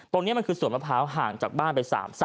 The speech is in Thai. ตรงนี้มันคือสวนมะพร้าวห่างจากบ้านไป๓๓